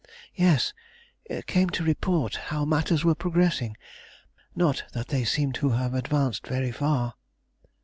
"Yes; came to report how matters were progressing, not that they seemed to have advanced very far."